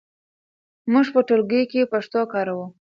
موږ په ټولګي کې پښتو کاروو.